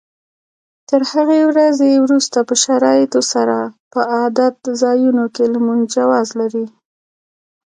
تر هغې ورځې وروسته په شرایطو سره په عبادت ځایونو کې لمونځ جواز لري.